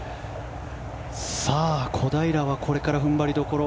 小平はこれから踏ん張りどころ。